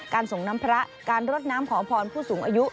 ส่งน้ำพระการรดน้ำขอพรผู้สูงอายุ